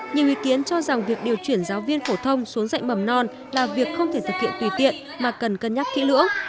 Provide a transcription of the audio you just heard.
nhiều ý kiến cho rằng việc điều chuyển giáo viên phổ thông xuống dạy mầm non là việc không thể thực hiện tùy tiện mà cần cân nhắc kỹ lưỡng